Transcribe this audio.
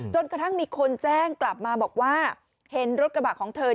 กระทั่งมีคนแจ้งกลับมาบอกว่าเห็นรถกระบะของเธอ